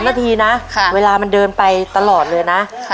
นาทีนะเวลามันเดินไปตลอดเลยนะ